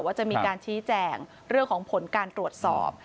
ว่าจะมีการชี้แจงเรื่องของผลการตรวจสอบ